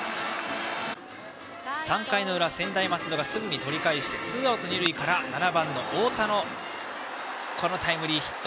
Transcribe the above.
３回の裏、専大松戸がすぐに取り返してツーアウト二塁から７番の太田のタイムリーヒット。